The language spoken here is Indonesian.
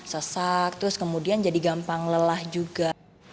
sesak terus kemudian jadi gampang lelah juga